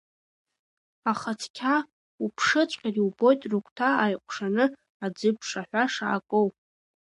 Аха цқьа уԥшыҵәҟьар, иубоит рыгәҭа ааиҟәшаны аӡыԥшаҳәа шаагоу.